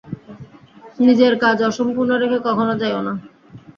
নিজের কাজ অসম্পূর্ণ রেখে কখনও যাই না।